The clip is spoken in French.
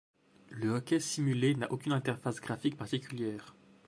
Le hockey simulé n'a aucune interface graphique particulière.